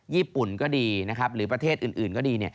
ญี่ปุ่นก็ดีนะครับหรือประเทศอื่นก็ดี